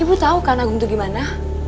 ibu tau kan agung tuh gimana